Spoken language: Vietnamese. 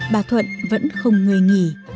bà thuận vẫn không người nghỉ